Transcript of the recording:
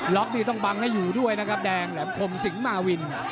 นี่ต้องบังให้อยู่ด้วยนะครับแดงแหลมคมสิงหมาวิน